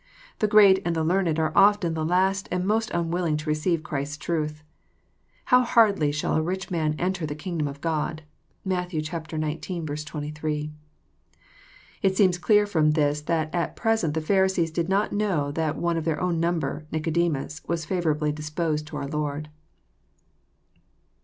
The great and the learned are often the last and most unwilling to receive Christ's truth. —" How hardly shall a rich man enter the kingdom of God." (Matt. six. 23.) It seems clear Arom this that at present the Pharisees did not know that one of their own number; Nicodemus, was favourably disposed to our Lord.